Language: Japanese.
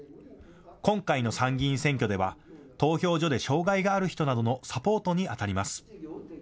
今回の参議院選挙では投票所で障害がある人などのサポートにあたります。